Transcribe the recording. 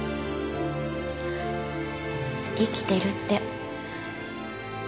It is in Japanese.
生きてるって。